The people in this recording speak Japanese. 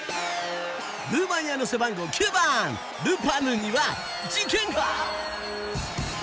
ルーマニアの背番号９番ルパヌには事件が。